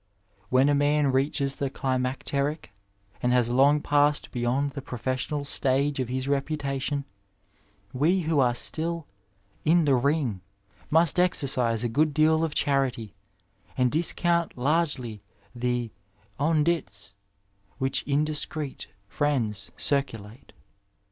When a man reaches the climacteric, and has long passed beyond the professional stage of his reputation, we who are still '* in the ring " must exercise a good deal of charity, and discount largely the an dUs which indiscreet friends circulate.